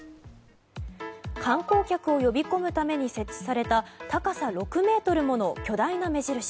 観光客を呼び込むために設置された高さ６ｍもの巨大な目印。